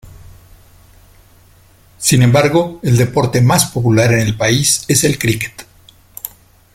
Sin embargo, el deporte más popular en el país es el críquet.